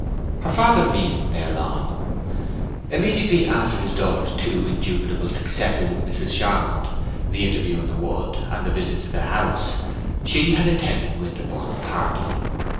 Her father reasoned thereon. Immediately after his daughter's two indubitable successes with Mrs. Charmond—the interview in the wood and a visit to the House—she had attended Winterborne's party.